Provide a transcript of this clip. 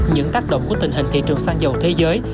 những tác động của tình hình thị trường xăng dầu thế giới